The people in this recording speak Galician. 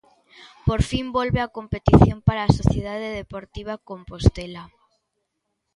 Por fin volve a competición para a Sociedade Deportiva Composlela.